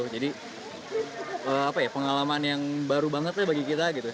jadi pengalaman yang baru banget bagi kita gitu